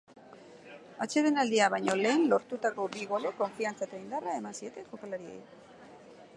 Atsedenaldia baino lehen lortutako bi golek konfiantza eta indarra eman zieten jokalariei.